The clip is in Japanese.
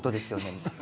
みたいな。